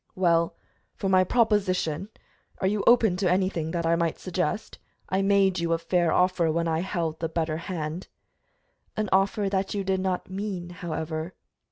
"Well, for my proposition are you open to anything that I might suggest? I made you a fair offer, when I held the better hand." "An offer that you did not mean, however."